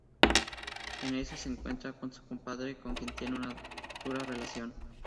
En eso se encuentra con su padre con quien tiene una dura relación.